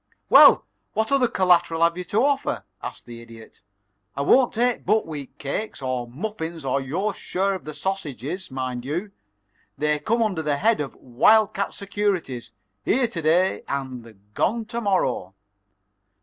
"Well, what other collateral have you to offer?" asked the Idiot. "I won't take buckwheat cakes, or muffins, or your share of the sausages, mind you. They come under the head of wild cat securities here to day and gone to morrow."